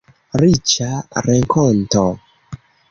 Riĉa renkonto.